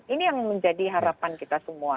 ini yang menjadi harapan kita semua